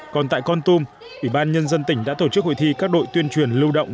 còn tại con tum ủy ban nhân dân tỉnh đã tổ chức hội thi các đội tuyên truyền lưu động